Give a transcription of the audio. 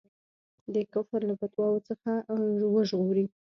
د کفر له فتواوو څخه وژغوري.